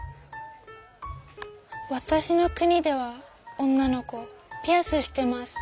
わたしの国では女の子ピアスしてます。